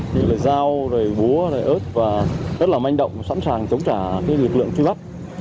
như là dao búa ớt và rất là manh động sẵn sàng chống trả lực lượng truy bắt